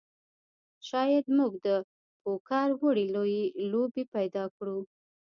شاید موږ د پوکر وړې لوبې پیدا کړو